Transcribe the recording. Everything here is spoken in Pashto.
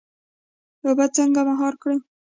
اوبه څنګه مهار کړو؟